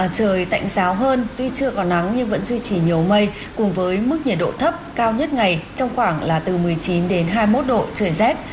trời tạnh giáo hơn tuy chưa có nắng nhưng vẫn duy trì nhiều mây cùng với mức nhiệt độ thấp cao nhất ngày trong khoảng là từ một mươi chín đến hai mươi một độ trời rét